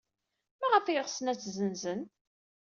Maɣef ay ɣsen ad tt-ssenzen?